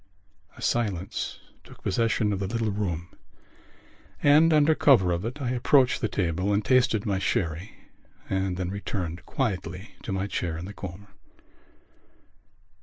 A silence took possession of the little room and, under cover of it, I approached the table and tasted my sherry and then returned quietly to my chair in the corner.